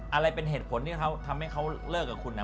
อะไรเป็นเหตุผลที่เขาทำให้เขาเลิกกับคุณนะ